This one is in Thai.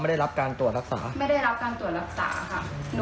ไม่ได้รับการตรวจรักษาค่ะหนูก็ไม่เข้าใจเหมือนกัน